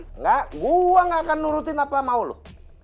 enggak gue gak akan nurutin apa mau lo